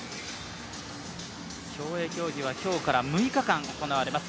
競泳競技は今日から６日間行われます。